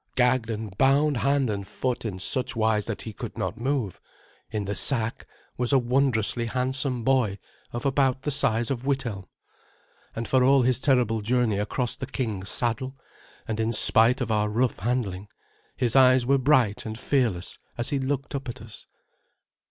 gagged and bound hand and foot in such wise that he could not move, in the sack was a wondrously handsome boy of about the size of Withelm; and for all his terrible journey across the king's saddle, and in spite of our rough handling, his eyes were bright and fearless as he looked up at us.